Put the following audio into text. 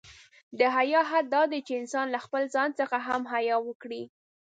د حیا حد دا دی، چې انسان له خپله ځان څخه هم حیا وکړي.